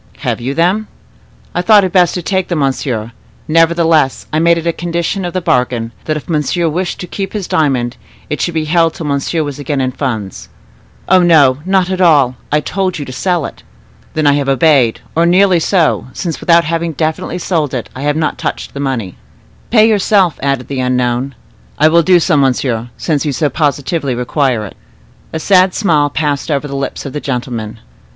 "Have you them?" "I thought it best to take them, monsieur; nevertheless, I made it a condition of the bargain, that if monsieur wished to keep his diamond, it should be held till monsieur was again in funds." "Oh, no, not at all: I told you to sell it." "Then I have obeyed, or nearly so, since, without having definitely sold it, I have touched the money." "Pay yourself," added the unknown. "I will do so, monsieur, since you so positively require it." A sad smile passed over the lips of the gentleman.